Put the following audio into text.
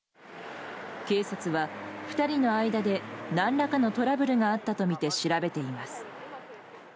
警察は２人の間で何らかのトラブルがあったとみて調べています。